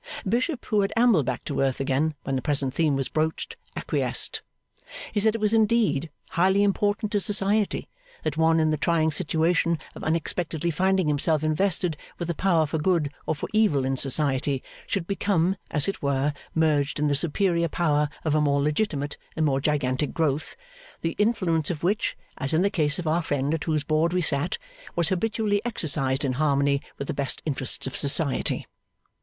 Bishop, who had ambled back to earth again when the present theme was broached, acquiesced. He said it was indeed highly important to Society that one in the trying situation of unexpectedly finding himself invested with a power for good or for evil in Society, should become, as it were, merged in the superior power of a more legitimate and more gigantic growth, the influence of which (as in the case of our friend at whose board we sat) was habitually exercised in harmony with the best interests of Society.